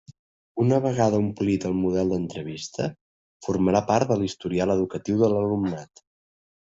Una vegada omplit el model d'entrevista, formarà part de l'historial educatiu de l'alumnat.